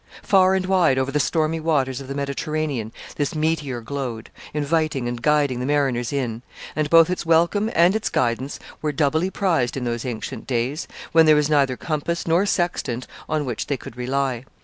Far and wide over the stormy waters of the Mediterranean this meteor glowed, inviting and guiding the mariners in; and both its welcome and its guidance were doubly prized in those ancient days, when there was neither compass nor sextant on which they could rely.